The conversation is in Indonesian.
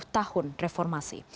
dua puluh tahun reformasi